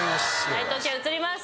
解答権移ります。